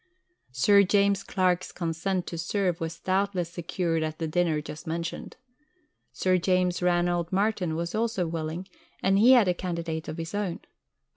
" Sir James Clark's consent to serve was doubtless secured at the dinner just mentioned. Sir James Ranald Martin was also willing, and he had a candidate of his own.